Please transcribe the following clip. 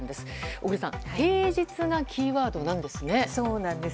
小栗さん平日がキーワードなんですね。